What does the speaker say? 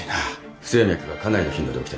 不整脈がかなりの頻度で起きてます。